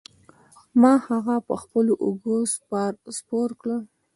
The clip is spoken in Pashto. ما هغه په خپلو اوږو سپار کړ.